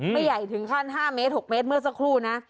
ไม่ใหญ่ถึงขั้น๕เมตร๖เมตรเมื่อสักครู่นะ